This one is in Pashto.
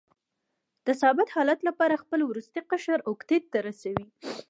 د ثابت حالت لپاره خپل وروستی قشر اوکتیت ته رسوي.